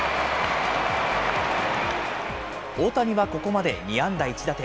大谷はここまで２安打１打点。